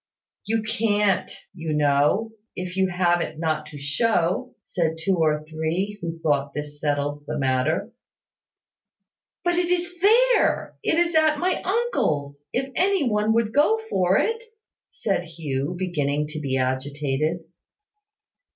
"You can't, you know, if you have it not to show," said two or three, who thought this settled the matter. "But it is there: it is at my uncle's, if any one would go for it," said Hugh, beginning to be agitated.